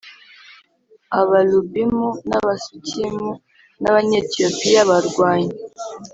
Abalubimu n Abasukimu n Abanyetiyopiya barwanye